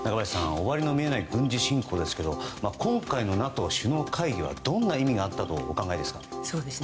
終わりの見えない軍事侵攻ですけど今回のＮＡＴＯ首脳会議はどんな意味があったとお考えですか？